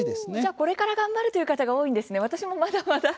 これから頑張るという方が多いんですね。